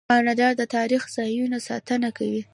کاناډا د تاریخي ځایونو ساتنه کوي.